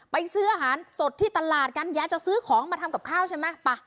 ซื้ออาหารสดที่ตลาดกันยายจะซื้อของมาทำกับข้าวใช่ไหมป่ะ